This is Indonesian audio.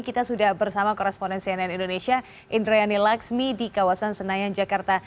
kita sudah bersama koresponen cnn indonesia indrayani laksmi di kawasan senayan jakarta